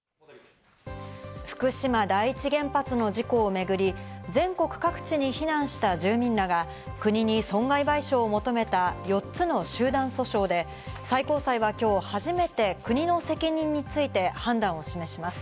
福島第一原発の事故をめぐり、全国各地に避難した住民らが国に損害賠償を求めた４つの集団訴訟で、最高裁は今日初めて、国の責任について判断を示します。